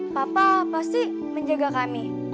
papa pasti menjaga kami